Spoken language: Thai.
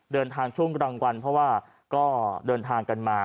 เดินทางช่วงกลางวันเพราะว่าก็เดินทางกันมา